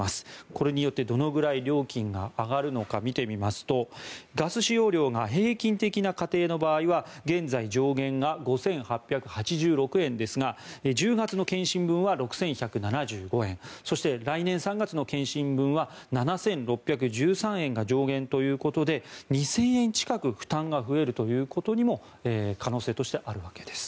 これによってどのくらい料金が上がるのか見てみるとガス使用量が平均的な家庭の場合は現在、上限が５８８６円ですが１０月の検針分は６１７５円そして、来年３月の検針分は７６１３円が上限ということで２０００円近く負担が増えるということも可能性としてあるわけです。